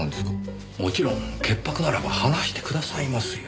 もちろん潔白ならば話してくださいますよ。